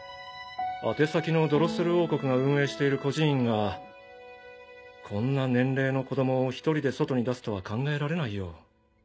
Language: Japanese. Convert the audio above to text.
宛先のドロッセル王国が運営している孤児院がこんな年齢の子供を一人で外に出すとは考えられないよ。